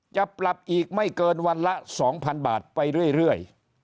จะปรับอีกไม่เกินวันละ๒๐๐๐บาทไปเรื่อย